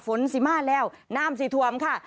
สิมาแล้วน้ำสีทวมค่ะ